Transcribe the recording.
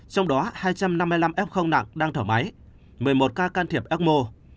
trong đó hai trăm năm mươi năm f nặng đang thở máy một mươi một ca can thiệp ecmo